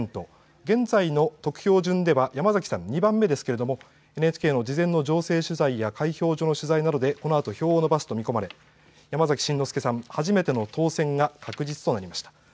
現在の得票順では山崎さん２番目ですけれども、ＮＨＫの事前の情勢取材や開票所の取材などで、このあと票を伸ばすと見込まれ山崎真之輔さん、初めての当選が確実となりました。